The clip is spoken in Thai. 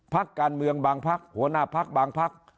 ภักดิ์การเมืองบางภักดิ์หัวหน้าภักดิ์บางภักดิ์